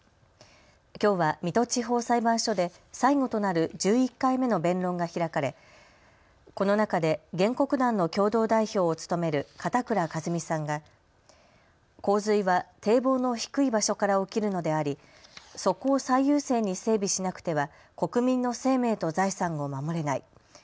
きょうは水戸地方裁判所で最後となる１１回目の弁論が開かれこの中で原告団の共同代表を務める片倉一美さんが洪水は堤防の低い場所から起きるのであり、そこを最優先に整備しなくては国民の生命と財産を守れない。